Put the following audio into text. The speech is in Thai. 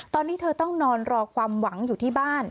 ตอนนี้เธอต้องนอนรอความหวังอยู่ที่บ้าน